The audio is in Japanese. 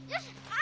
あ。